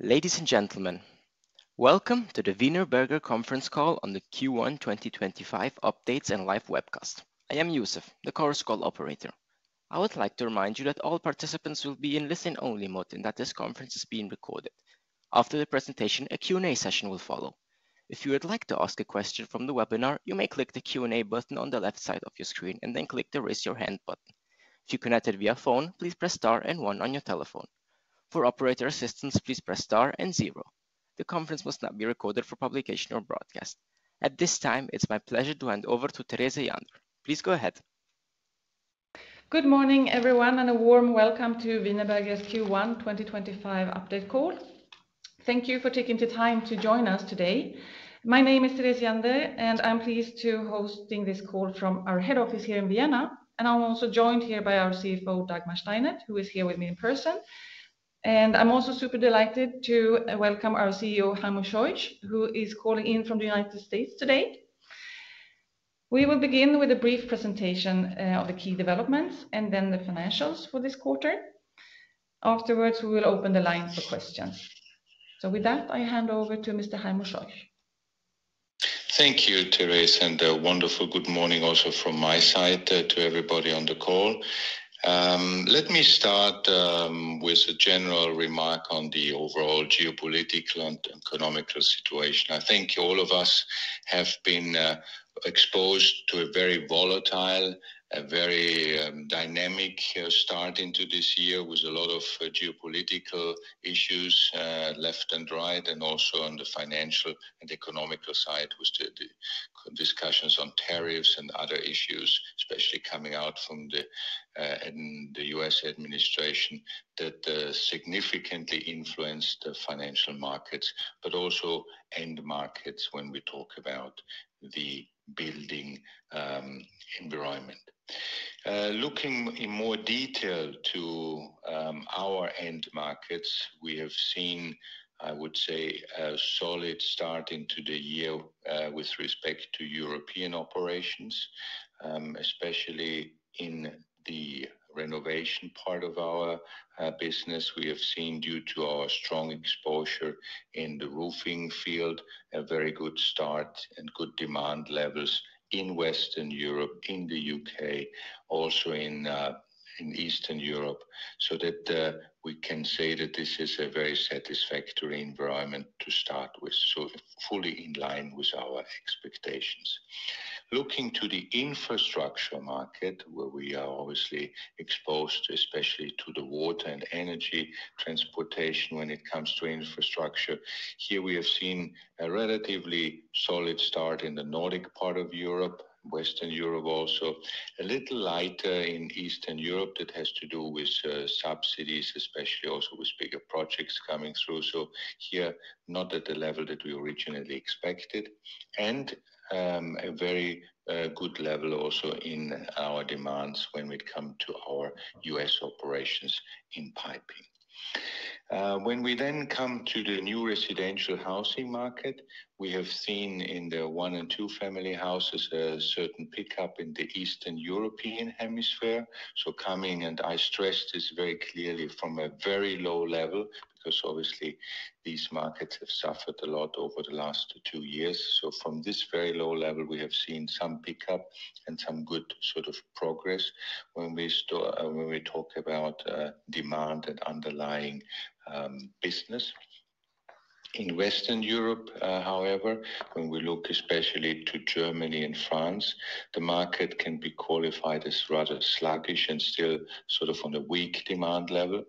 Ladies and gentlemen, welcome to the Wienerberger conference call on the Q1 2025 Updates and Live webcast. I am Yusuf, the operator. I would like to remind you that all participants will be in listening-only mode and that this conference is being recorded. After the presentation, a Q&A session will follow. If you would like to ask a question from the webinar, you may click the Q&A button on the left side of your screen and then click the Raise Your Hand button. If you connected via phone, please press star and one on your telephone. For operator assistance, please press star and zero. The conference must not be recorded for publication or broadcast. At this time, it's my pleasure to hand over to Therese Jandér. Please go ahead. Good morning, everyone, and a warm welcome to Wienerberger's Q1 2025 Update call. Thank you for taking the time to join us today. My name is Therese Jandér, and I'm pleased to be hosting this call from our head office here in Vienna. I'm also joined here by our CFO, Dagmar Steinert, who is here with me in person. I'm also super delighted to welcome our CEO, Heimo Scheuch, who is calling in from the United States today. We will begin with a brief presentation of the key developments and then the financials for this quarter. Afterwards, we will open the line for questions. With that, I hand over to Mr. Heimo Scheuch. Thank you, Therese, and a wonderful good morning also from my side to everybody on the call. Let me start with a general remark on the overall geopolitical and economical situation. I think all of us have been exposed to a very volatile, a very dynamic start into this year with a lot of geopolitical issues left and right, and also on the financial and economical side with the discussions on tariffs and other issues, especially coming out from the U.S. administration that significantly influenced the financial markets, but also end markets when we talk about the building environment. Looking in more detail to our end markets, we have seen, I would say, a solid start into the year with respect to European operations, especially in the renovation part of our business. We have seen, due to our strong exposure in the roofing field, a very good start and good demand levels in Western Europe, in the U.K., also in Eastern Europe, so that we can say that this is a very satisfactory environment to start with, so fully in line with our expectations. Looking to the infrastructure market, where we are obviously exposed, especially to the water and energy transportation when it comes to infrastructure, here we have seen a relatively solid start in the Nordic part of Europe, Western Europe also, a little lighter in Eastern Europe that has to do with subsidies, especially also with bigger projects coming through. Here, not at the level that we originally expected, and a very good level also in our demands when it comes to our U.S. operations in piping. When we then come to the new residential housing market, we have seen in the one and two-family houses a certain pickup in the Eastern European hemisphere. I stress this very clearly from a very low level, because obviously these markets have suffered a lot over the last two years. From this very low level, we have seen some pickup and some good sort of progress when we talk about demand and underlying business. In Western Europe, however, when we look especially to Germany and France, the market can be qualified as rather sluggish and still sort of on a weak demand level.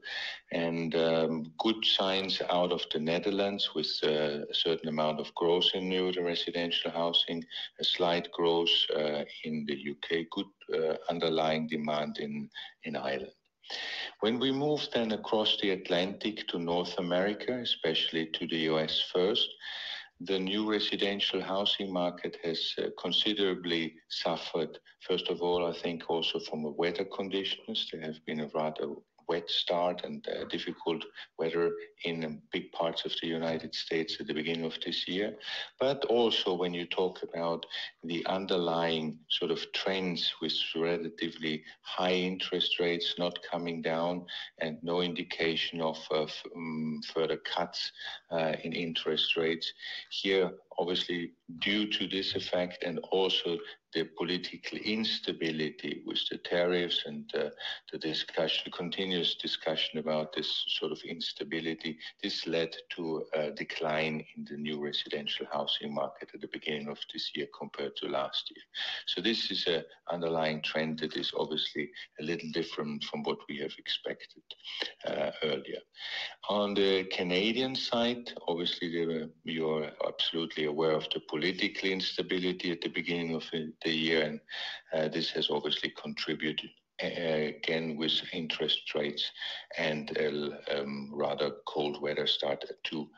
There are good signs out of the Netherlands with a certain amount of growth in new residential housing, a slight growth in the U.K., and good underlying demand in Ireland. When we move then across the Atlantic to North America, especially to the U.S. first, the new residential housing market has considerably suffered. First of all, I think also from the weather conditions. There have been a rather wet start and difficult weather in big parts of the United States at the beginning of this year. Also, when you talk about the underlying sort of trends with relatively high interest rates not coming down and no indication of further cuts in interest rates, here, obviously, due to this effect and also the political instability with the tariffs and the discussion, continuous discussion about this sort of instability, this led to a decline in the new residential housing market at the beginning of this year compared to last year. This is an underlying trend that is obviously a little different from what we have expected earlier. On the Canadian side, obviously, you're absolutely aware of the political instability at the beginning of the year, and this has obviously contributed again with interest rates and a rather cold weather start to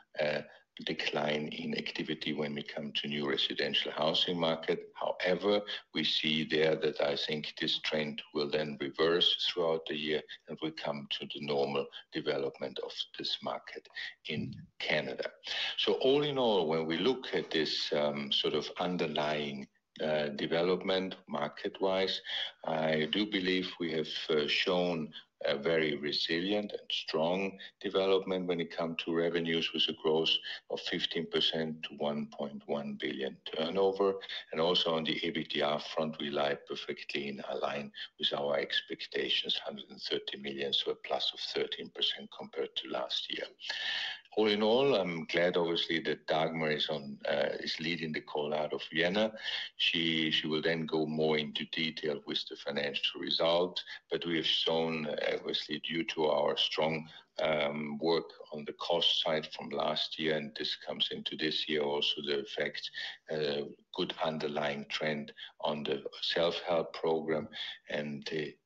decline in activity when we come to new residential housing market. However, we see there that I think this trend will then reverse throughout the year and will come to the normal development of this market in Canada. All in all, when we look at this sort of underlying development market-wise, I do believe we have shown a very resilient and strong development when it comes to revenues with a growth of 15% to 1.1 billion turnover. Also on the EBITDA front, we lie perfectly in line with our expectations, 130 million, so a plus of 13% compared to last year. All in all, I'm glad obviously that Dagmar is leading the call out of Vienna. She will then go more into detail with the financial result, but we have shown, obviously, due to our strong work on the cost side from last year, and this comes into this year also, the effect, a good underlying trend on the self-help program.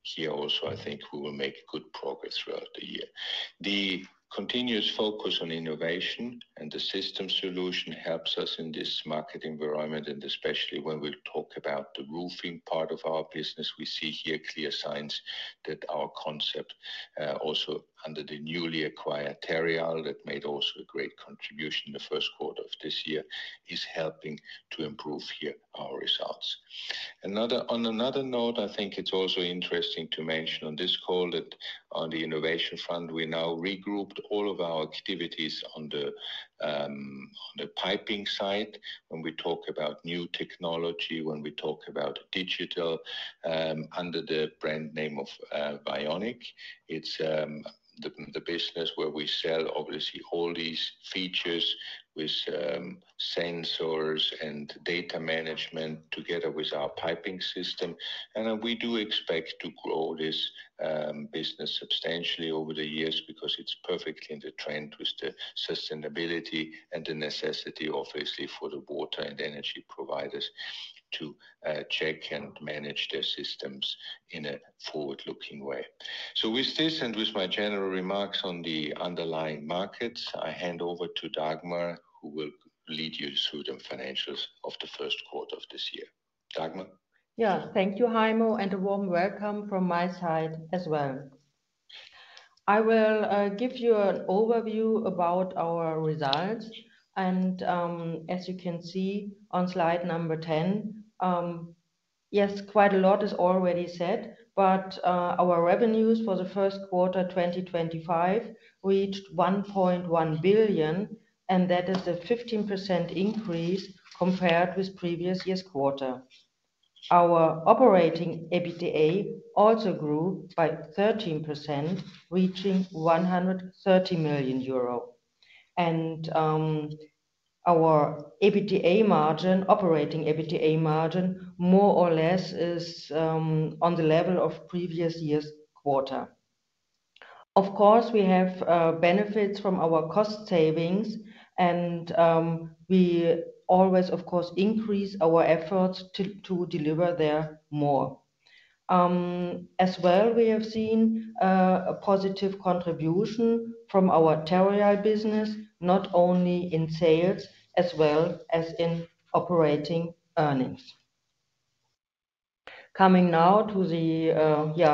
Here also, I think we will make good progress throughout the year. The continuous focus on innovation and the system solution helps us in this market environment, especially when we talk about the roofing part of our business. We see here clear signs that our concept, also under the newly acquired Terrial, that made also a great contribution in the first quarter of this year, is helping to improve here our results. On another note, I think it's also interesting to mention on this call that on the innovation front, we now regrouped all of our activities on the piping side. When we talk about new technology, when we talk about digital under the brand name of Bionic, it's the business where we sell obviously all these features with sensors and data management together with our piping system. We do expect to grow this business substantially over the years because it's perfectly in the trend with the sustainability and the necessity, obviously, for the water and energy providers to check and manage their systems in a forward-looking way. With this and with my general remarks on the underlying markets, I hand over to Dagmar, who will lead you through the financials of the first quarter of this year. Dagmar? Yeah, thank you, Heimo, and a warm welcome from my side as well. I will give you an overview about our results. As you can see on slide number 10, quite a lot is already said, but our revenues for the first quarter 2025 reached 1.1 billion, and that is a 15% increase compared with previous year's quarter. Our operating EBITDA also grew by 13%, reaching EUR 130 million. Our EBITDA margin, operating EBITDA margin, more or less is on the level of previous year's quarter. Of course, we have benefits from our cost savings, and we always, of course, increase our efforts to deliver there more. As well, we have seen a positive contribution from our Terrial business, not only in sales as well as in operating earnings. Coming now to the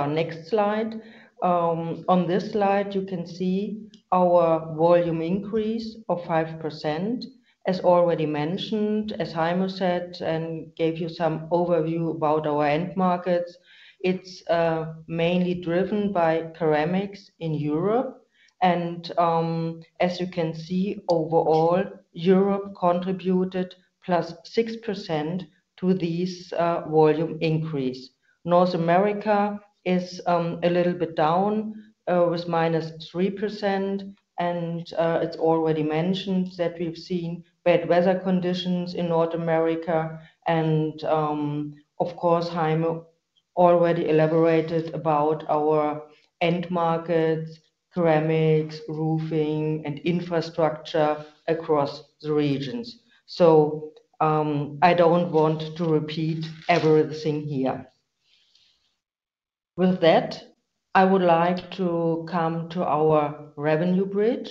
next slide. On this slide, you can see our volume increase of 5%. As already mentioned, as Heimo said and gave you some overview about our end markets, it's mainly driven by ceramics in Europe. As you can see, overall, Europe contributed +6% to this volume increase. North America is a little bit down with -3%. It's already mentioned that we've seen bad weather conditions in North America. Of course, Heimo already elaborated about our end markets, ceramics, roofing, and infrastructure across the regions. I don't want to repeat everything here. With that, I would like to come to our revenue bridge.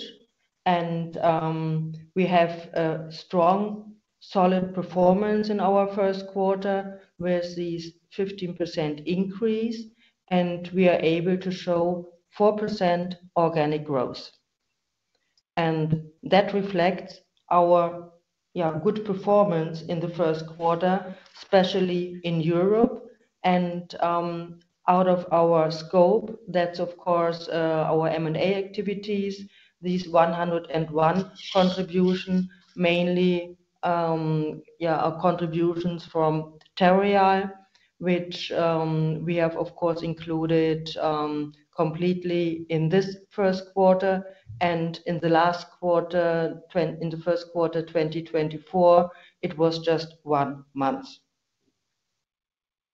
We have a strong, solid performance in our first quarter with this 15% increase, and we are able to show 4% organic growth. That reflects our good performance in the first quarter, especially in Europe. Out of our scope, that's of course our M&A activities, this 101 contribution, mainly contributions from Terrial, which we have, of course, included completely in this first quarter. In the last quarter, in the first quarter 2024, it was just one month.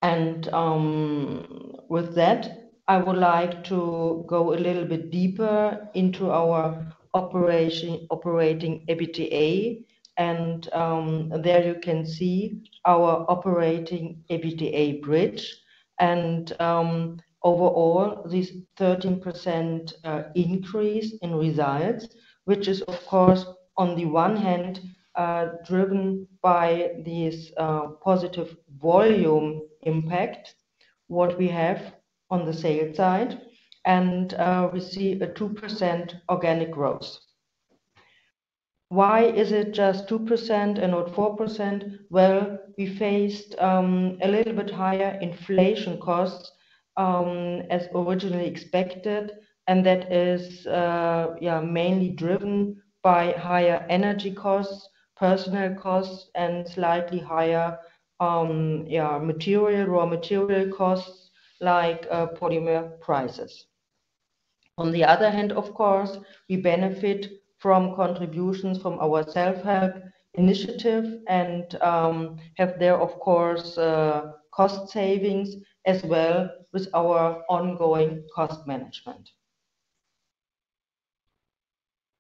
With that, I would like to go a little bit deeper into our operating EBITDA. There you can see our operating EBITDA bridge. Overall, this 13% increase in results is, of course, on the one hand, driven by this positive volume impact, what we have on the sales side, and we see a 2% organic growth. Why is it just 2% and not 4%? We faced a little bit higher inflation costs as originally expected, and that is mainly driven by higher energy costs, personnel costs, and slightly higher material, raw material costs like polymer prices. On the other hand, of course, we benefit from contributions from our self-help initiative and have there, of course, cost savings as well with our ongoing cost management.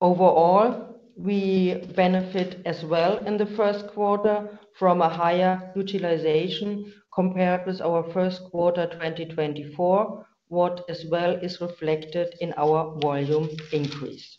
Overall, we benefit as well in the first quarter from a higher utilization compared with our first quarter 2024, which as well is reflected in our volume increase.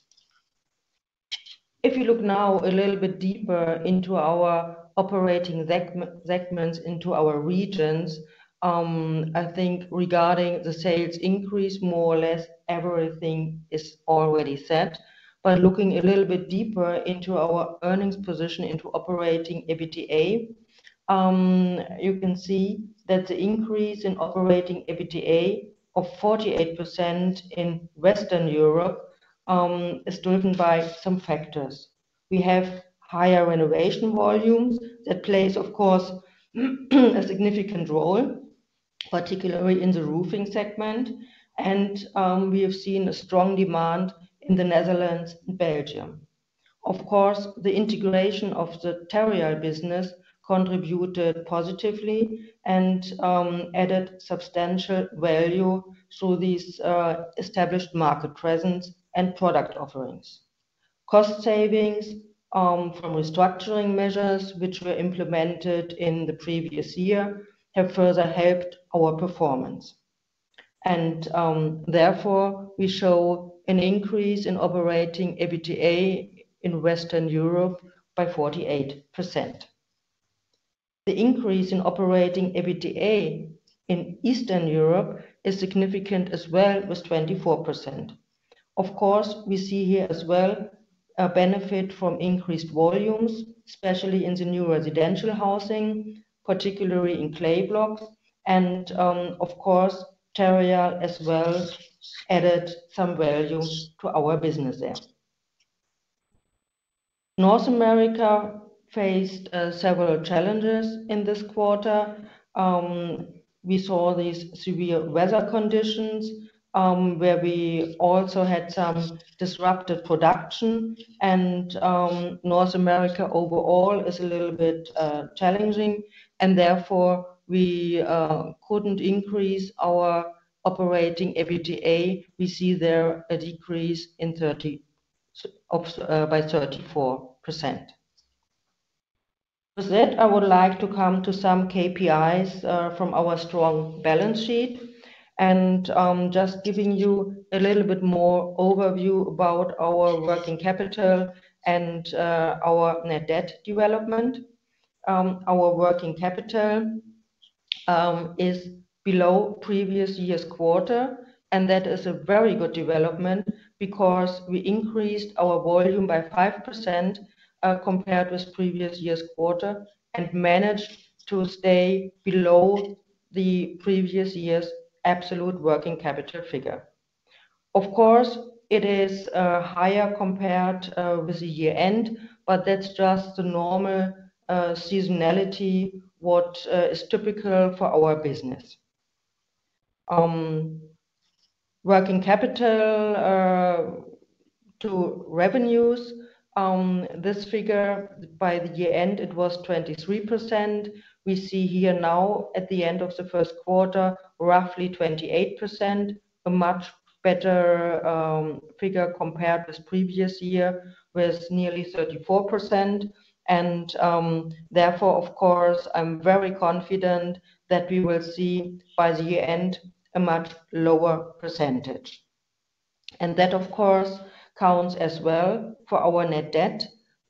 If you look now a little bit deeper into our operating segments, into our regions, I think regarding the sales increase, more or less everything is already set. Looking a little bit deeper into our earnings position, into operating EBITDA, you can see that the increase in operating EBITDA of 48% in Western Europe is driven by some factors. We have higher renovation volumes that play, of course, a significant role, particularly in the roofing segment. We have seen a strong demand in the Netherlands and Belgium. Of course, the integration of the Terrial business contributed positively and added substantial value through this established market presence and product offerings. Cost savings from restructuring measures, which were implemented in the previous year, have further helped our performance. Therefore, we show an increase in operating EBITDA in Western Europe by 48%. The increase in operating EBITDA in Eastern Europe is significant as well with 24%. We see here as well a benefit from increased volumes, especially in the new residential housing, particularly in clay blocks. Of course, Terrial as well added some value to our business there. North America faced several challenges in this quarter. We saw these severe weather conditions where we also had some disrupted production. North America overall is a little bit challenging. Therefore, we could not increase our operating EBITDA. We see there a decrease by 34%. With that, I would like to come to some KPIs from our strong balance sheet and just giving you a little bit more overview about our working capital and our net debt development. Our working capital is below previous year's quarter, and that is a very good development because we increased our volume by 5% compared with previous year's quarter and managed to stay below the previous year's absolute working capital figure. Of course, it is higher compared with the year-end, but that's just the normal seasonality, what is typical for our business. Working capital to revenues, this figure by the year-end, it was 23%. We see here now at the end of the first quarter, roughly 28%, a much better figure compared with previous year with nearly 34%. Therefore, of course, I'm very confident that we will see by the year-end a much lower percentage. That, of course, counts as well for our net debt,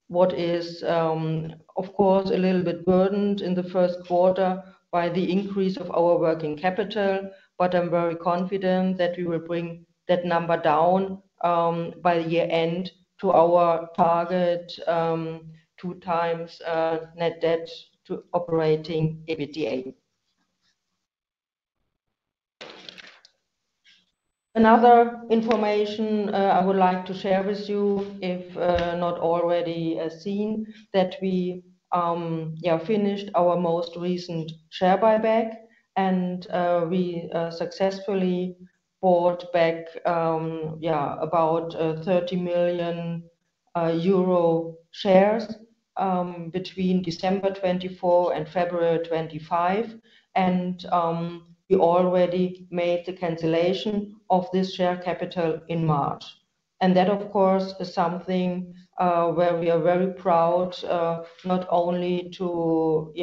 which is, of course, a little bit burdened in the first quarter by the increase of our working capital. I am very confident that we will bring that number down by the year-end to our target, two times net debt to operating EBITDA. Another information I would like to share with you, if not already seen, is that we finished our most recent share buyback, and we successfully bought back about 30 million euro shares between December 2024 and February 2025. We already made the cancellation of this share capital in March. That, of course, is something where we are very proud, not only to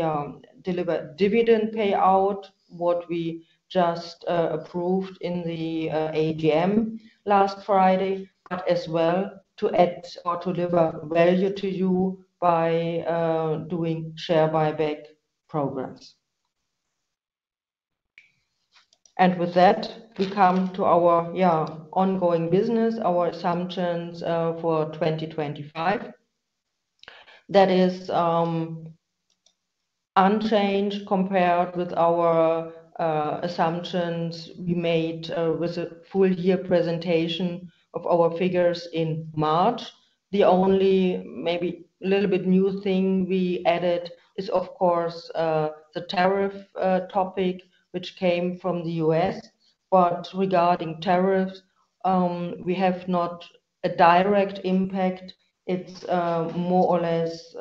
deliver dividend payout, which we just approved in the AGM last Friday, but as well to add or to deliver value to you by doing share buyback programs. With that, we come to our ongoing business, our assumptions for 2025. That is unchanged compared with our assumptions we made with a full year presentation of our figures in March. The only maybe a little bit new thing we added is, of course, the tariff topic, which came from the US. Regarding tariffs, we have not a direct impact. It is more or less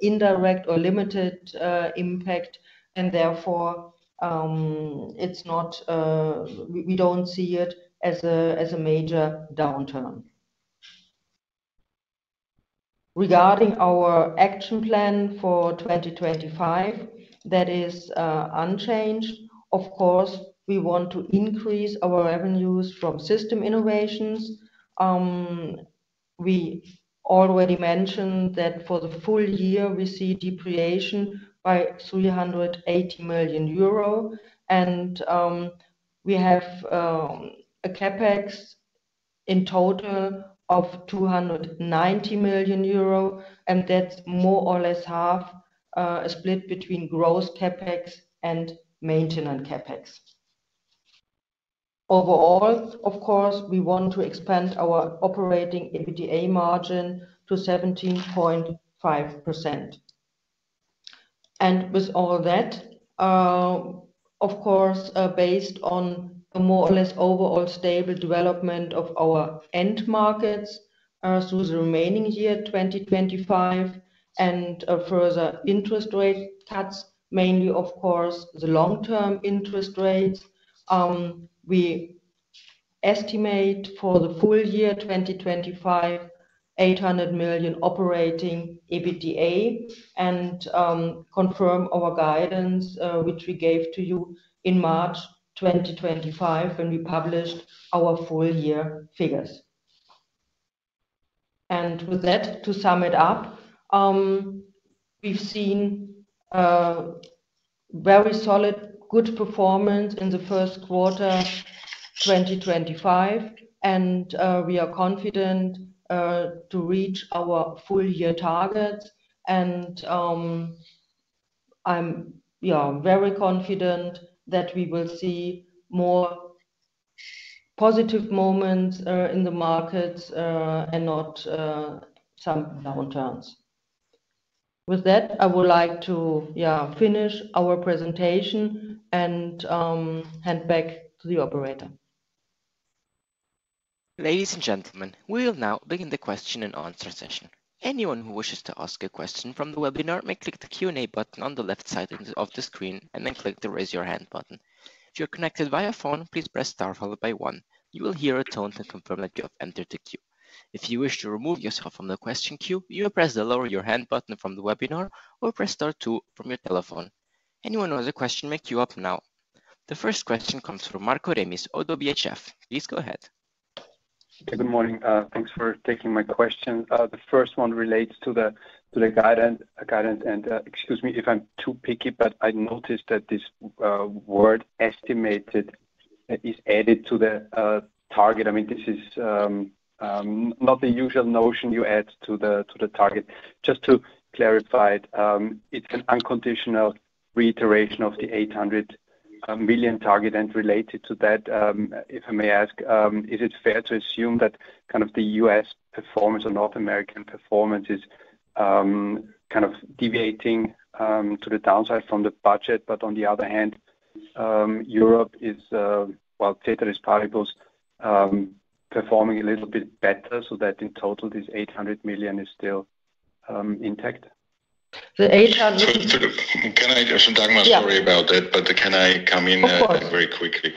indirect or limited impact. Therefore, we do not see it as a major downturn. Regarding our action plan for 2025, that is unchanged. Of course, we want to increase our revenues from system innovations. We already mentioned that for the full year, we see depreciation by 380 million euro. We have a CapEx in total of 290 million euro. That is more or less half a split between gross CapEx and maintenance CapEx. Overall, of course, we want to expand our operating EBITDA margin to 17.5%. With all that, of course, based on a more or less overall stable development of our end markets through the remaining year 2025 and further interest rate cuts, mainly, of course, the long-term interest rates, we estimate for the full year 2025, 800 million operating EBITDA and confirm our guidance, which we gave to you in March 2025 when we published our full year figures. To sum it up, we've seen very solid, good performance in the first quarter 2025. We are confident to reach our full year targets. I am very confident that we will see more positive moments in the markets and not some downturns. With that, I would like to finish our presentation and hand back to the operator. Ladies and gentlemen, we will now begin the question and answer session. Anyone who wishes to ask a question from the webinar may click the Q&A button on the left side of the screen and then click the raise your hand button. If you're connected via phone, please press star followed by one. You will hear a tone to confirm that you have entered the queue. If you wish to remove yourself from the question queue, you may press the lower your hand button from the webinar or press star two from your telephone. Anyone who has a question may queue up now. The first question comes from Markus Remis of ODDO BHF. Please go ahead. Good morning. Thanks for taking my question. The first one relates to the guidance. And excuse me if I'm too picky, but I noticed that this word estimated is added to the target. I mean, this is not the usual notion you add to the target. Just to clarify, it's an unconditional reiteration of the 800 million target. Related to that, if I may ask, is it fair to assume that kind of the U.S. performance or North American performance is kind of deviating to the downside from the budget? On the other hand, Europe is, well, theater is pallibles, performing a little bit better so that in total, this 800 million is still intact? The 800. Can I ask Dagmar story about that? Can I come in very quickly?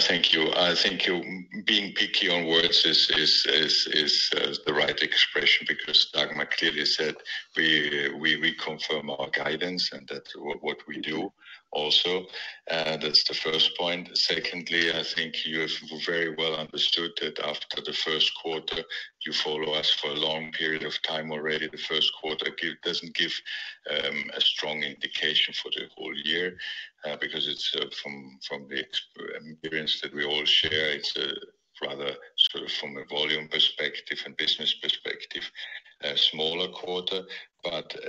Thank you. Thank you. Being picky on words is the right expression because Dagmar clearly said we confirm our guidance and that's what we do also. That's the first point. Secondly, I think you have very well understood that after the first quarter, you follow us for a long period of time already. The first quarter does not give a strong indication for the whole year because from the experience that we all share, it is rather sort of from a volume perspective and business perspective, a smaller quarter.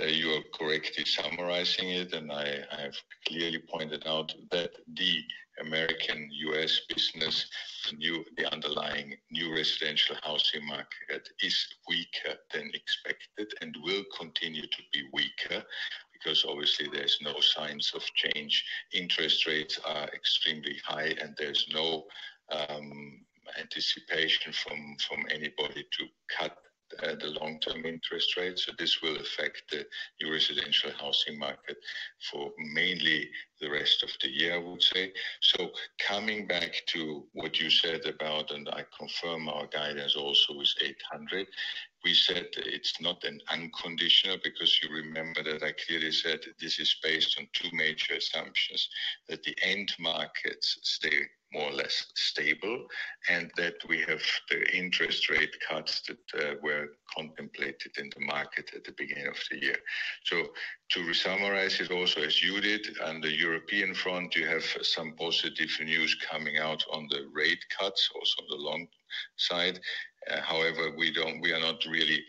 You are correctly summarizing it. I have clearly pointed out that the American U.S. business, the underlying new residential housing market is weaker than expected and will continue to be weaker because obviously there are no signs of change. Interest rates are extremely high, and there is no anticipation from anybody to cut the long-term interest rates. This will affect the new residential housing market for mainly the rest of the year, I would say. Coming back to what you said about, and I confirm our guidance also is 800, we said it's not an unconditional because you remember that I clearly said this is based on two major assumptions, that the end markets stay more or less stable and that we have the interest rate cuts that were contemplated in the market at the beginning of the year. To summarize it also, as you did, on the European front, you have some positive news coming out on the rate cuts, also on the long side. However, we are not really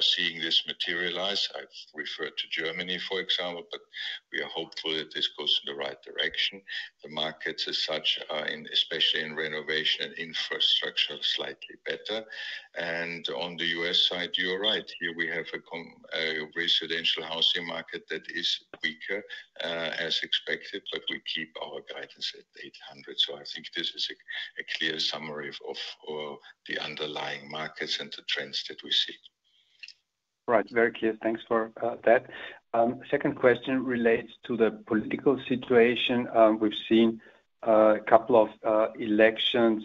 seeing this materialize. I have referred to Germany, for example, but we are hopeful that this goes in the right direction. The markets as such, especially in renovation and infrastructure, are slightly better. On the U.S. side, you're right. Here we have a residential housing market that is weaker as expected, but we keep our guidance at 800. I think this is a clear summary of the underlying markets and the trends that we see. Right. Very clear. Thanks for that. Second question relates to the political situation. We have seen a couple of elections,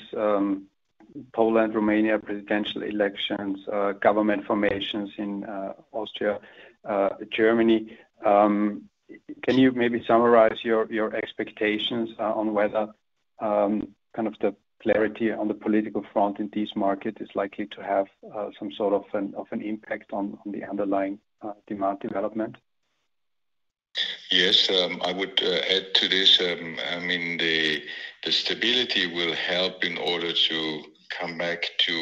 Poland, Romania, presidential elections, government formations in Austria, Germany. Can you maybe summarize your expectations on whether kind of the clarity on the political front in these markets is likely to have some sort of an impact on the underlying demand development? Yes. I would add to this. I mean, the stability will help in order to come back to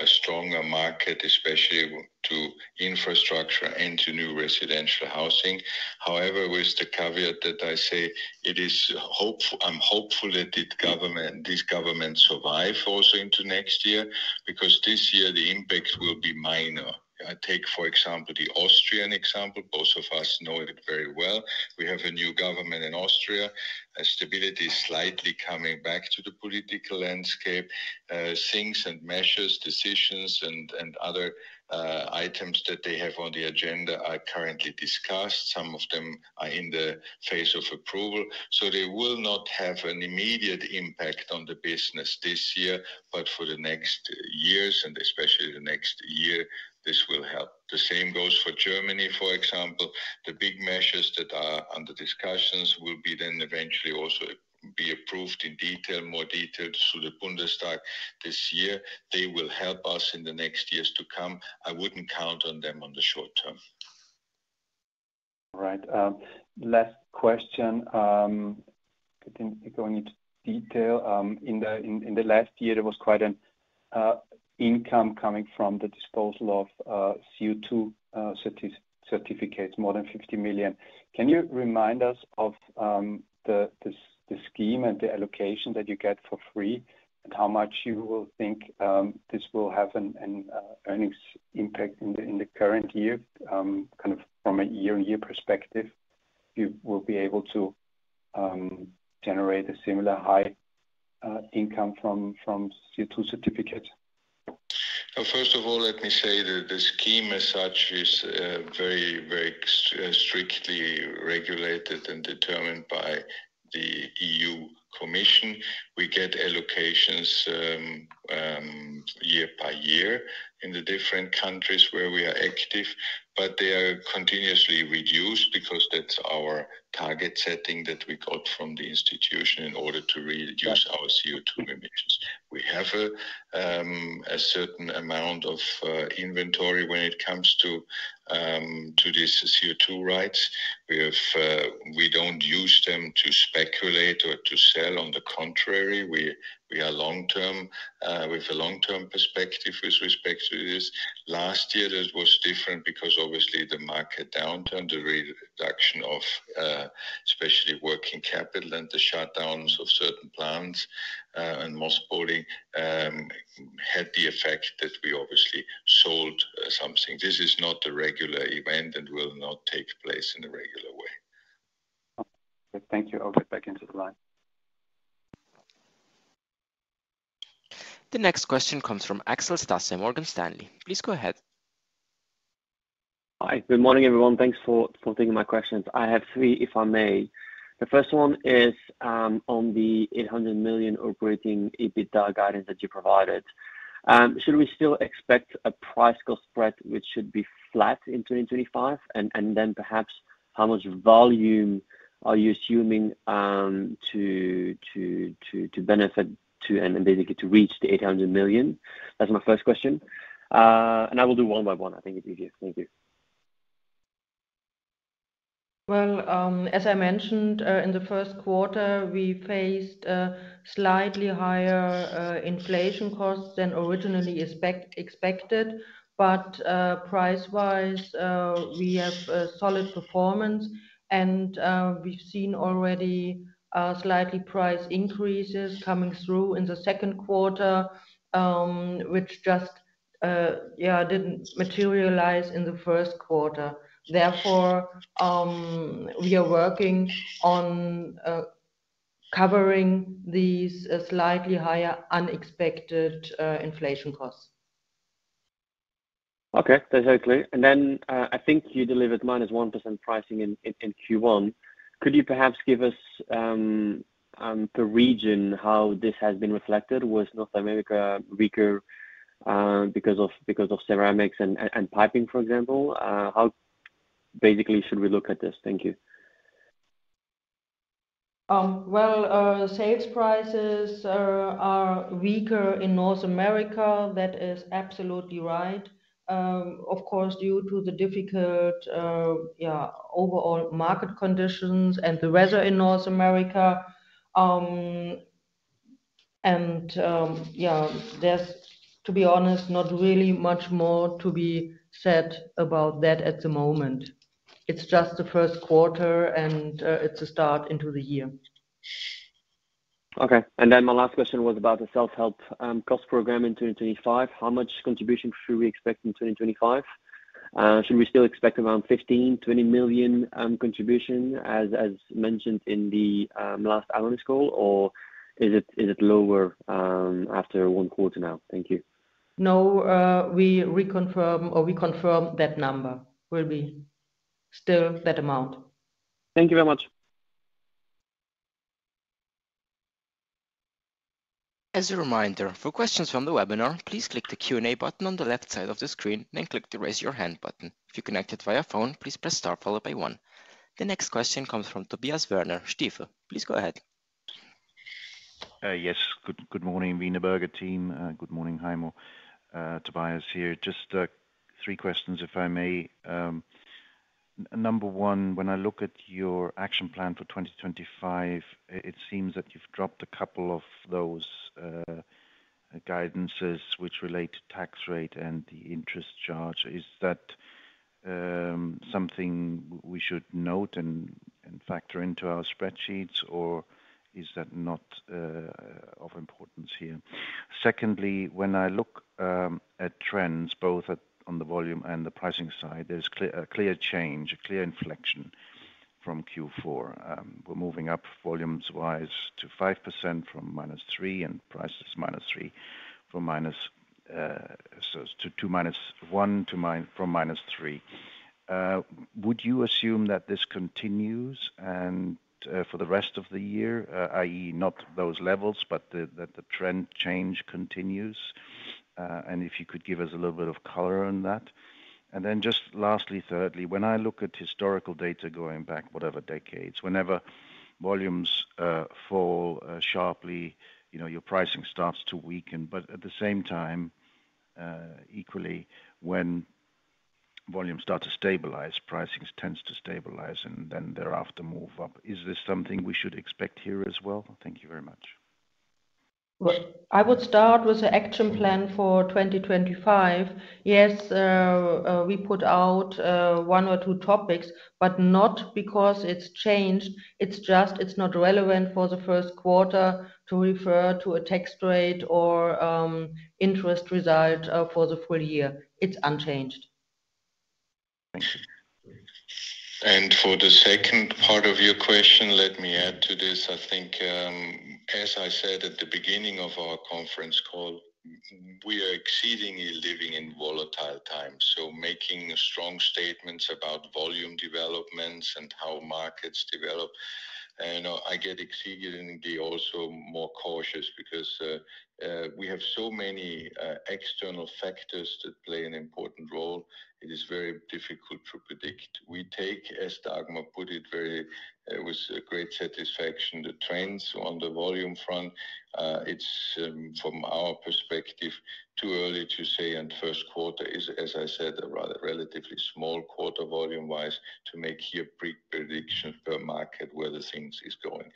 a stronger market, especially to infrastructure and to new residential housing. However, with the caveat that I say, I'm hopeful that these governments survive also into next year because this year the impact will be minor. Take, for example, the Austrian example. Both of us know it very well. We have a new government in Austria. Stability is slightly coming back to the political landscape. Things and measures, decisions, and other items that they have on the agenda are currently discussed. Some of them are in the phase of approval. They will not have an immediate impact on the business this year, but for the next years, and especially the next year, this will help. The same goes for Germany, for example. The big measures that are under discussions will be then eventually also be approved in detail, more detailed through the Bundestag this year. They will help us in the next years to come. I wouldn't count on them on the short term. Right. Last question. I think we go into detail. In the last year, there was quite an income coming from the disposal of CO2 certificates, more than 50 million. Can you remind us of the scheme and the allocation that you get for free and how much you will think this will have an earnings impact in the current year, kind of from a year-on-year perspective? You will be able to generate a similar high income from CO2 certificates? First of all, let me say that the scheme as such is very, very strictly regulated and determined by the EU Commission. We get allocations year by year in the different countries where we are active, but they are continuously reduced because that's our target setting that we got from the institution in order to reduce our CO2 emissions. We have a certain amount of inventory when it comes to these CO2 rights. We do not use them to speculate or to sell. On the contrary, we are long-term with a long-term perspective with respect to this. Last year, that was different because obviously the market downturn, the reduction of especially working capital and the shutdowns of certain plants and mothballing had the effect that we obviously sold something. This is not a regular event and will not take place in a regular way. Thank you. I'll get back into the line. The next question comes from Axel Stasse, Morgan Stanley. Please go ahead. Hi. Good morning, everyone. Thanks for taking my questions. I have three, if I may. The first one is on the 800 million operating EBITDA guidance that you provided. Should we still expect a price cost spread which should be flat in 2025? Perhaps how much volume are you assuming to benefit to and basically to reach the 800 million? That is my first question. I will do one by one. I think it is easier. Thank you. As I mentioned, in the first quarter, we faced slightly higher inflation costs than originally expected. Price-wise, we have solid performance. We have seen already slightly price increases coming through in the second quarter, which just did not materialize in the first quarter. Therefore, we are working on covering these slightly higher unexpected inflation costs. Okay. That is very clear. I think you delivered -1% pricing in Q1. Could you perhaps give us the region how this has been reflected? Was North America weaker because of ceramics and piping, for example? How basically should we look at this? Thank you. Sales prices are weaker in North America. That is absolutely right. Of course, due to the difficult overall market conditions and the weather in North America. Yeah, to be honest, not really much more to be said about that at the moment. It's just the first quarter, and it's a start into the year. Okay. My last question was about the self-help cost program in 2025. How much contribution should we expect in 2025? Should we still expect around 15-20 million contribution, as mentioned in the last analyst call, or is it lower after one quarter now? Thank you. No, we reconfirm or we confirm that number will be still that amount. Thank you very much. As a reminder, for questions from the webinar, please click the Q&A button on the left side of the screen and click the raise your hand button. If you connected via phone, please press star followed by one. The next question comes from Tobias Woerner-Stifel. Please go ahead. Yes. Good morning, Wienerberger team. Good morning, Heimo, Tobias here. Just three questions, if I may. Number one, when I look at your action plan for 2025, it seems that you've dropped a couple of those guidances which relate to tax rate and the interest charge. Is that something we should note and factor into our spreadsheets, or is that not of importance here? Secondly, when I look at trends, both on the volume and the pricing side, there's a clear change, a clear inflection from Q4. We're moving up volumes-wise to 5% from -3 and prices -3 to -1 from -3. Would you assume that this continues for the rest of the year, i.e., not those levels, but that the trend change continues? If you could give us a little bit of color on that. Lastly, thirdly, when I look at historical data going back whatever decades, whenever volumes fall sharply, your pricing starts to weaken. At the same time, equally, when volumes start to stabilize, pricing tends to stabilize and then thereafter move up. Is this something we should expect here as well? Thank you very much. I would start with the action plan for 2025. Yes, we put out one or two topics, but not because it has changed. It is just it is not relevant for the first quarter to refer to a tax rate or interest result for the full year. It is unchanged. For the second part of your question, let me add to this. I think, as I said at the beginning of our conference call, we are exceedingly living in volatile times. Making strong statements about volume developments and how markets develop, I get exceedingly also more cautious because we have so many external factors that play an important role. It is very difficult to predict. We take, as Dagmar put it, with great satisfaction, the trends on the volume front. It's, from our perspective, too early to say in the first quarter is, as I said, a relatively small quarter volume-wise to make here predictions per market where the things is going.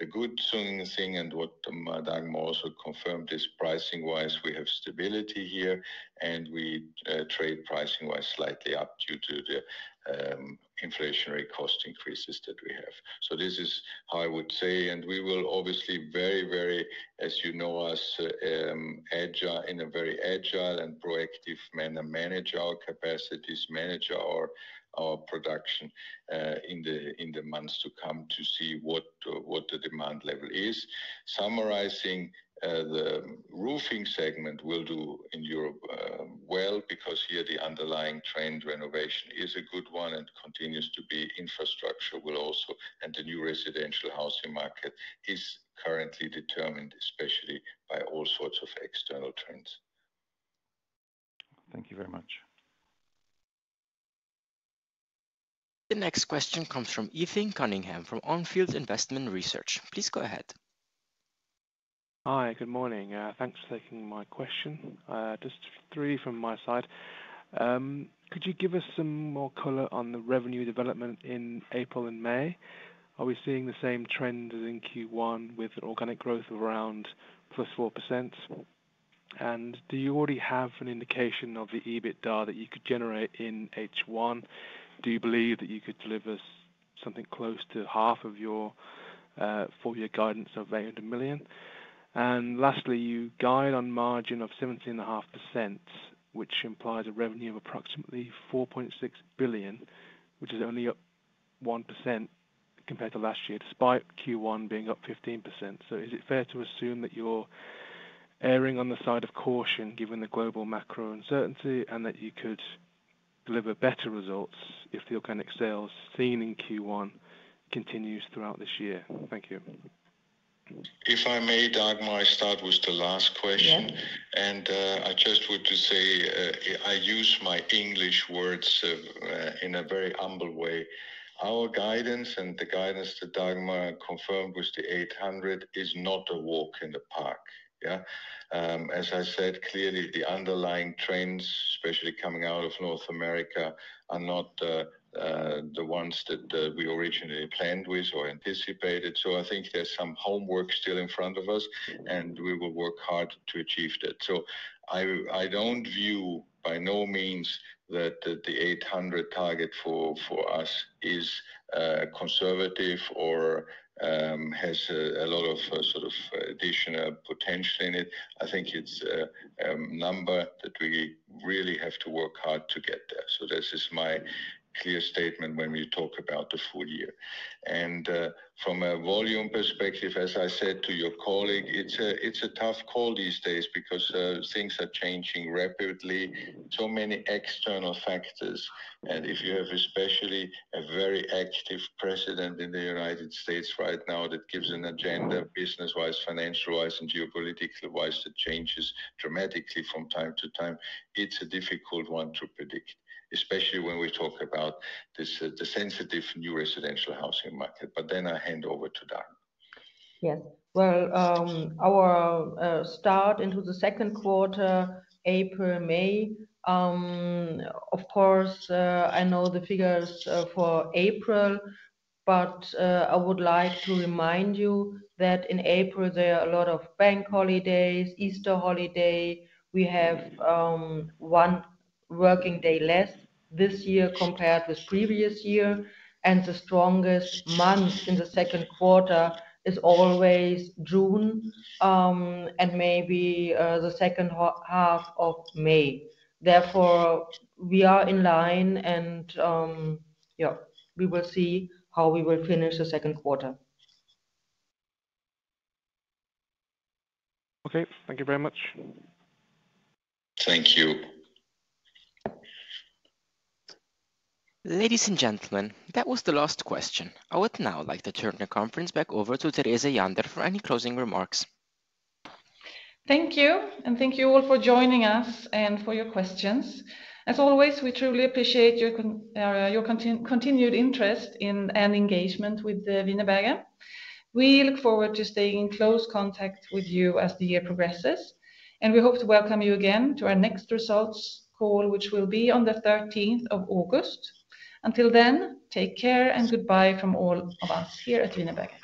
The good thing and what Dagmar also confirmed is pricing-wise, we have stability here, and we trade pricing-wise slightly up due to the inflationary cost increases that we have. This is how I would say, and we will obviously very, very, as you know us, in a very agile and proactive manner manage our capacities, manage our production in the months to come to see what the demand level is. Summarizing, the roofing segment will do in Europe well because here the underlying trend renovation is a good one and continues to be. Infrastructure will also, and the new residential housing market is currently determined, especially by all sorts of external trends. Thank you very much. The next question comes from Ethan Cunningham from On Field Investment Research. Please go ahead. Hi. Good morning. Thanks for taking my question. Just three from my side. Could you give us some more color on the revenue development in April and May? Are we seeing the same trend as in Q1 with organic growth of around +4%? Do you already have an indication of the EBITDA that you could generate in H1? Do you believe that you could deliver something close to half of your four-year guidance of 800 million? Lastly, you guide on margin of 17.5%, which implies a revenue of approximately 4.6 billion, which is only 1% compared to last year, despite Q1 being up 15%. Is it fair to assume that you're erring on the side of caution given the global macro uncertainty and that you could deliver better results if the organic sales seen in Q1 continues throughout this year? Thank you. If I may, Dagmar, I start with the last question. I just would say I use my English words in a very humble way. Our guidance and the guidance that Dagmar confirmed with the 800 million is not a walk in the park. Yeah. As I said, clearly, the underlying trends, especially coming out of North America, are not the ones that we originally planned with or anticipated. I think there is some homework still in front of us, and we will work hard to achieve that. I do not view by no means that the 800 target for us is conservative or has a lot of sort of additional potential in it. I think it is a number that we really have to work hard to get there. This is my clear statement when we talk about the full year. From a volume perspective, as I said to your colleague, it is a tough call these days because things are changing rapidly. So many external factors. If you have especially a very active president in the United States right now that gives an agenda business-wise, financial-wise, and geopolitically-wise that changes dramatically from time to time, it is a difficult one to predict, especially when we talk about the sensitive new residential housing market. I hand over to Dagmar. Yes. Our start into the second quarter, April, May, of course, I know the figures for April, but I would like to remind you that in April, there are a lot of bank holidays, Easter holiday. We have one working day less this year compared with previous year. The strongest month in the second quarter is always June and maybe the second half of May. Therefore, we are in line, and yeah, we will see how we will finish the second quarter. Okay. Thank you very much. Thank you. Ladies and gentlemen, that was the last question. I would now like to turn the conference back over to Therese Jandér for any closing remarks. Thank you. And thank you all for joining us and for your questions. As always, we truly appreciate your continued interest and engagement with Wienerberger. We look forward to staying in close contact with you as the year progresses. We hope to welcome you again to our next results call, which will be on the 13th of August. Until then, take care and goodbye from all of us here at Wienerberger.